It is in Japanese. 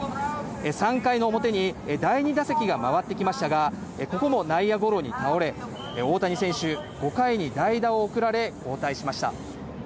３回の表に第２打席が回ってきましたが、ここも内野ゴロに倒れ、大谷選手、５回に代打を送られ交代しました。